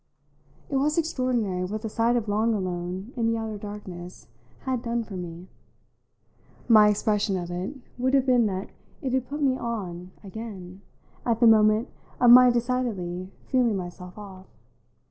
It was extraordinary what the sight of Long alone in the outer darkness had done for me: my expression of it would have been that it had put me "on" again at the moment of my decidedly feeling myself off.